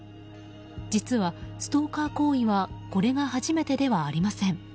実はストーカー行為はこれが初めてではありません。